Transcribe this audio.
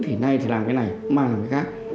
thì nay thì làm cái này mang làm cái khác